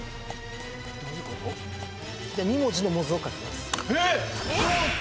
２文字の「モズ」を書きます。